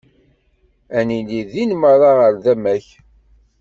Ad nili din merra ɣer tama-k.